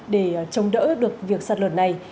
để chống đỡ được việc sạt lở này